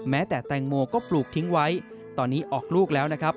แม้แต่แตงโมก็ปลูกทิ้งไว้ตอนนี้ออกลูกแล้วนะครับ